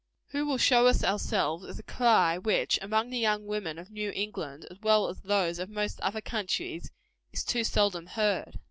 Who will show us ourselves? is a cry which, among the young women of New England, as well as those of most other countries, is too seldom heard.